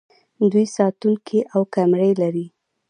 دوی ساتونکي او کمرې لري.